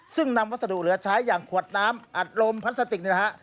ซึ่งนำวัสดุเหลือใช้อย่างขวดน้ำอัดลมพลาสติกนี่นะฮะ